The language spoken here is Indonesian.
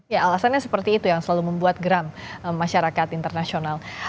ya alasannya seperti itu yang selalu membuat geram masyarakat internasional